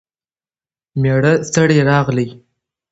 مېړه ستړی راغلی